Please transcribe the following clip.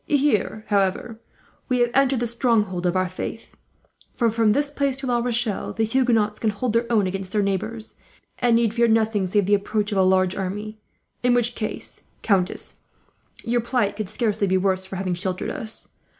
"Here, however, we have entered the stronghold of our faith; for from this place to La Rochelle, the Huguenots can hold their own against their neighbours, and need fear nothing save the approach of a large army; in which case, countess, your plight could scarcely be worse for having sheltered us.